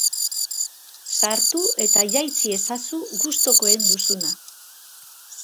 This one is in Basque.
Sartu eta jaitsi ezazu gustukoen duzuna!